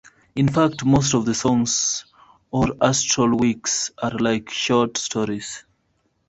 In fact, most of the songs on "Astral Weeks" are like short stories.